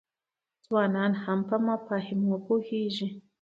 ځوانان هم په مفاهیمو پوهیږي.